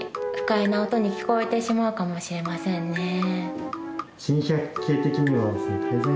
不快な音に聞こえてしまうかもしれませんね。